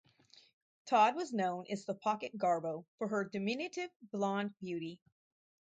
Todd was known as the "pocket Garbo" for her diminutive, blonde beauty.